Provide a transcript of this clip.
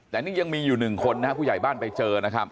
แต่นี่ยังมีอยู่๑คนผู้ใหญ่บ้านไปเจอ